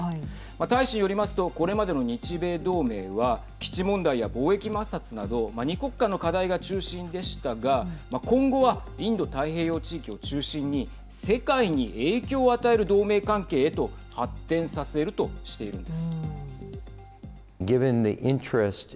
大使によりますとこれまでの日米同盟は基地問題や貿易摩擦など２国間の課題が中心でしたが今後はインド太平洋地域を中心に世界に影響を与える同盟関係へと発展させるとしているんです。